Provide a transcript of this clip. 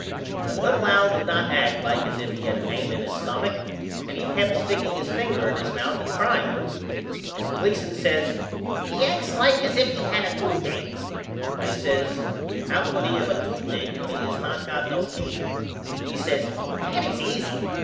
But little Al did not act like as if he had a pane in his stumach and he kept sticking his finger in his mouth and crying. And Gleason says He acts like as if he had a toothacke. I says How could he have a toothacke when he has not got no teeth? He says That is easy.